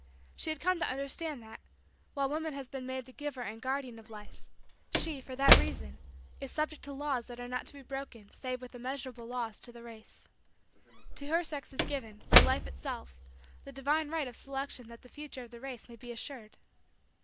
She had come to understand that, while woman has been made the giver and guardian of Life, she, for that reason, is subject to laws that are not to be broken save with immeasurable loss to the race. To her sex is given, by Life itself, the divine right of selection that the future of the race may be assured.